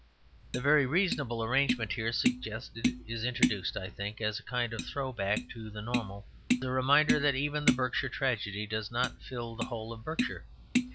The very reasonable arrangement here suggested is introduced, I think, as a kind of throw back to the normal, a reminder that even "The Berkshire Tragedy" does not fill the whole of Berkshire.